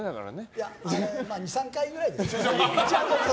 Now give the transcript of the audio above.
いや、２３回ぐらいは。